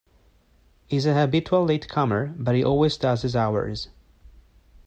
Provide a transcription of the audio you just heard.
He's a habitual latecomer, but he always does his hours.